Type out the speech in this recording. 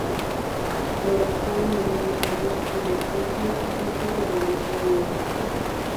Trabajó algunos años en Escocia antes de regresar a Londres.